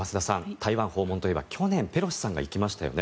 台湾訪問といえば去年ペロシさんが行きましたよね。